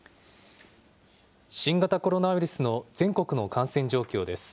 新型コロナウイルスの全国の感染状況です。